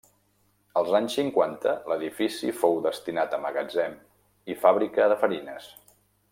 Als anys cinquanta, l'edifici fou destinat a magatzem i fàbrica de farines.